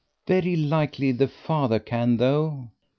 "Very likely; the father can, though."